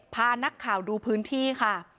พานักข่าวดูพื้นที่ค่ะ